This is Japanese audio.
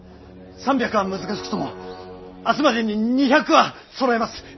３００は難しくとも明日までに２００はそろえます。